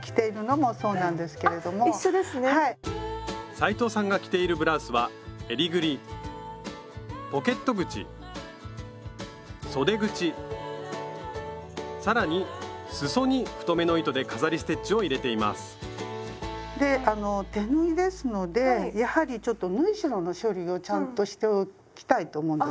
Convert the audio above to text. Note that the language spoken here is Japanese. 斉藤さんが着ているブラウスはえりぐりポケット口そで口更にすそに太めの糸で飾りステッチを入れていますであの手縫いですのでやはりちょっと縫い代の処理をちゃんとしておきたいと思うんですね。